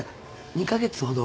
２か月ほど。